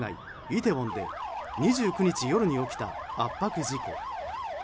イテウォンで２９日夜に起きた圧迫事故。